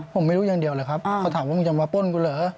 ผมไม่รู้อย่างเดียวเลยครับเขาถามว่ามึงจะมาป้นกูเหรอ